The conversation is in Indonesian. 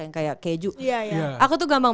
yang kayak keju aku tuh gampang